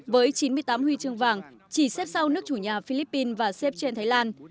với chín mươi tám huy chương vàng chỉ xếp sau nước chủ nhà philippines và xếp trên thái lan